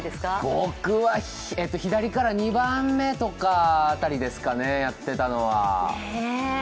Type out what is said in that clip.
僕は左から２番目とか辺りですかね、やってたのは。